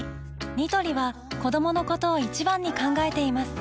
ニトリは子どものことを一番に考えています